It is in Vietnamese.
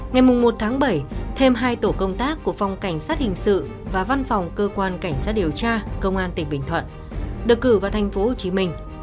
ngày một tháng bảy thêm hai tổ công tác của phòng cảnh sát hình sự và văn phòng cơ quan cảnh sát điều tra công an tp hcm được cử vào tp hcm